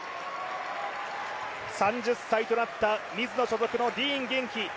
３０歳となったミズノ所属のディーン元気。